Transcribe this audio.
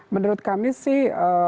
menurut kami sih